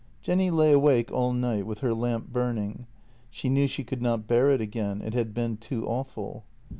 Jenny lay awake all night with her lamp burning. She knew she could not bear it again; it had been too awful.